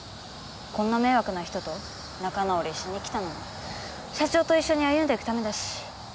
こんな迷惑な人と仲直りしに来たのも社長と一緒に歩んでいくためだし。